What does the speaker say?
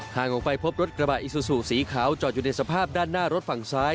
ห่างออกไปพบรถกระบะอิซูซูสีขาวจอดอยู่ในสภาพด้านหน้ารถฝั่งซ้าย